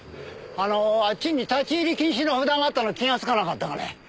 あのあっちに立ち入り禁止の札があったのを気がつかなかったかね？